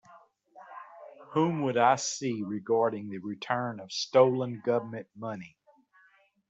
Whom would I see regarding the return of stolen Government money?